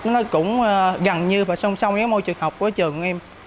nó cũng gần như và song song với môi trường học của trường của em